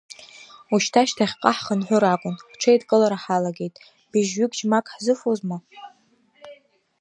Ушьҭа шьҭахьҟа ҳхынҳәыр акәын, ҳҽеидкылара ҳалагеит быжьҩык џьмак ҳзыфозма?